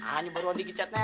ini baru baru dikicatnya